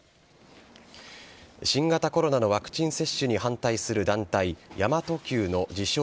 新型コロナのワクチン接種に反対する団体神真都Ｑの自称